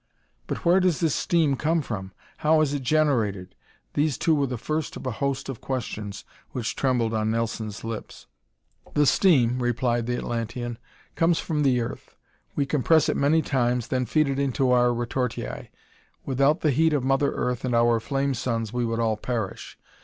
"But where does this steam come from? How is it generated?" These two were the first of a host of questions which trembled on Nelson's lips. "The steam," replied the Atlantean, "comes from the earth. We compress it many times, then feed it into our retortii. Without the heat of Mother Earth and our flame suns we would all perish.